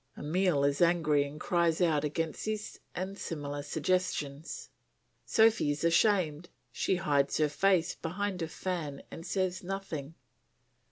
Emile is angry and cries out against these and similar suggestions. Sophy is ashamed, she hides her face behind her fan and says nothing.